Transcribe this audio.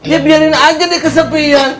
ya biarin aja nih kesepian